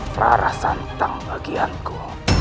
farah santang bagianku